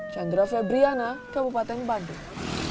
chandra febriana kabupaten bandung